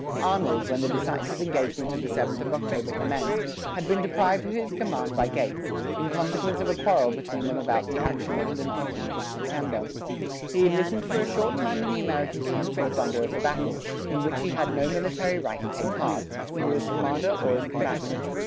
Arnold, when the decisive engagement of the 7th of October commenced, had been deprived of his command by Gates, in consequence of a quarrel between them about the action of the 19th of September. He had listened for a short time in the American camp to the thunder of the battle, in which he had no military right to take part, either as commander or as combatant.